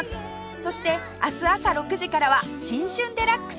そして明日朝６時からは『新春デラックス』